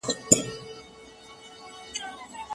په سینه کي یې د حرص لمبې بلیږي